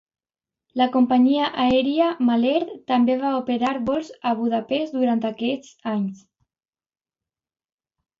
La companyia aèria Malert també va operar vols a Budapest durant aquests anys.